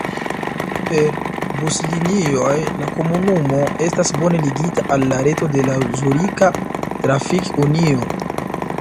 Per buslinioj la komunumo estas bone ligita al la reto de la Zurika Trafik-Unio.